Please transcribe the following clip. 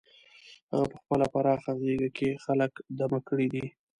هغه په خپله پراخه غېږه کې خلک دمه کړي دي.